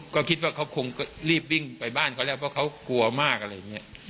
ก็คิดว่าเขาคงรีบวิ่งไปบ้านเขาแล้วเพราะเขากลัวมากอะไรอย่างนี้